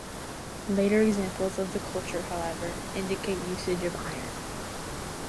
Later examples of the culture however indicate usage of iron.